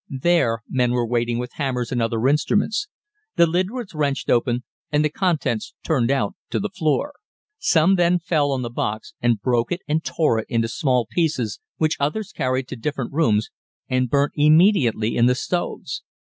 There men were waiting with hammers and other instruments. The lid was wrenched open and the contents turned out on to the floor. Some then fell on the box and broke and tore it into small pieces which others carried to the different rooms and burnt immediately in the stoves.